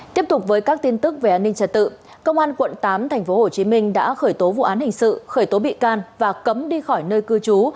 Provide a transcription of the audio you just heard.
tiếp tục với các tin tức về an ninh trật tự công an quận tám tp hcm đã khởi tố vụ án hình sự khởi tố bị can và cấm đi khỏi nơi cư trú